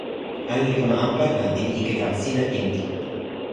ale li kama anpa, la ni li ike tawa sina en mi.